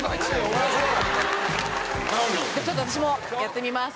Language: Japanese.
ちょっと私もやってみます。